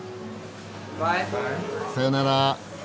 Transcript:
さよなら。